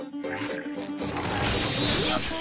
いよっと！